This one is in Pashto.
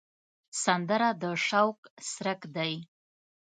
سندره د شوق څرک دی